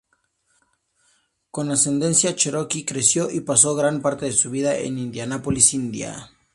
Con ascendencia Cherokee, creció y pasó gran parte de su vida en Indianápolis, Indiana.